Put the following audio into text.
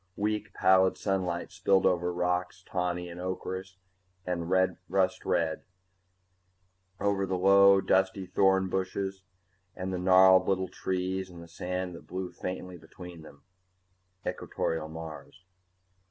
Weak pallid sunlight spilled over rocks tawny and ocherous and rust red, over the low dusty thorn bushes and the gnarled little trees and the sand that blew faintly between them. Equatorial Mars!